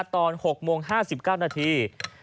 ตอน๖โมง๕๙นาที